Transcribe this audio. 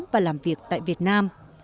và làm việc tại việt nam